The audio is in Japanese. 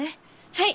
はい。